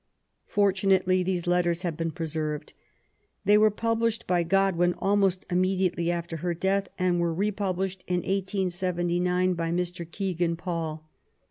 Fortunately, these letters have been preserved. They were published by Oodwin almost immediately after her death, and were republished in 1879 by Mr. Kegan Paul.